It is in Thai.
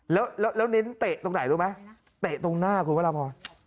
แล้วเน้นเตะตรงไหนรู้ไหมเตะตรงหน้าคุณพระราพร